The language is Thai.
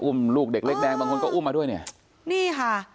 อุ้มลูกเด็กเล็กแดงบางคนก็อุ้มมาด้วยเนี่ย